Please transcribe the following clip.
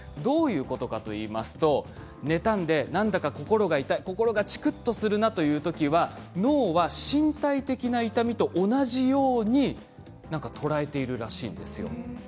どういうことかといいますと妬んでなんだか心が痛いチクっとするのという時は脳は身体的な痛みと同じように捉えているらしいんです。